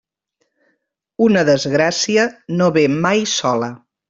Una desgràcia no ve mai sola.